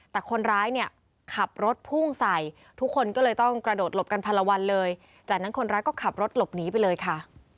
แต่คนร้ายเนี่ยขับรถพุ่งใส่ทุกคนก็เลยต้องกระโดดหลบกันพันละวันเลยจากนั้นคนร้ายก็ขับรถหลบหนีไปเลยค่ะ